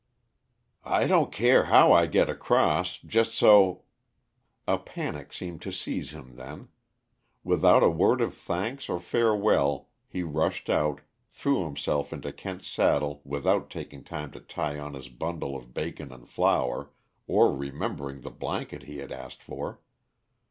"I don't care how I get across, just so " A panic seemed to seize him then. Without a word of thanks or farewell he rushed out, threw himself into Kent's saddle without taking time to tie on his bundle of bacon and flour, or remembering the blanket he had asked for.